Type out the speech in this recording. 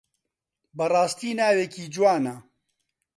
بەڕاستی ناوێکی جوانە.